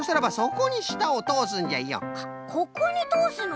ここにとおすの？